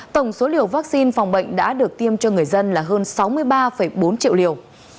tổng số liều vaccine phòng bệnh đã được tiêm cho người dân là hơn sáu mươi ba bốn triệu liều